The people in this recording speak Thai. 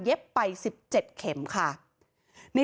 เย็บไป๑๗เข็มค่ะ